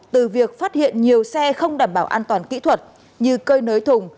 từ việc phát hiện nhiều xe không đảm bảo an toàn kỹ thuật như cơi nới thùng